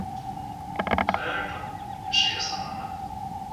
Kaj je rekla? Je še jezna name?